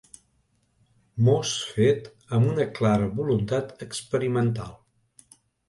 Mos fet amb una clara voluntat experimental.